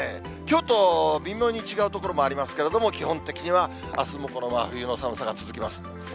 きょうと微妙に違うところもありますけれども、基本的にはあすもこの真冬の寒さが続きます。